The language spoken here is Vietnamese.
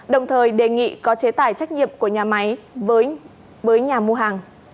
đồng thời đề nghị có chế tải trách nhiệm của nhà máy với nhà mua